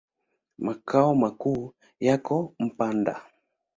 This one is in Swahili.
Makao makuu yako Mpanda.